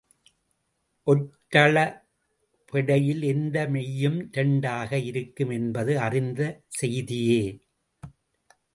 ஒற்றளபெடையில் எந்த மெய்யும் இரண்டாக இருக்கும் என்பது அறிந்த செய்தியே.